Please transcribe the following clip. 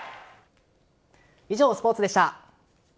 以上、スポーツでした。